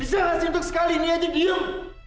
bisa gak sih untuk sekali ini aja diam